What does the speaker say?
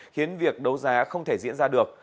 khiến việc đấu giá không thể diễn ra được